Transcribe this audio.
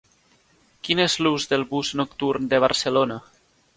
Quin és l'ús del bus nocturn de Barcelona?